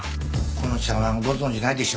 この茶わんご存じないでしょうかね？